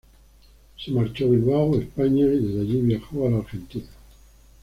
Se marchó a Bilbao, España, y desde allí viajó a la Argentina.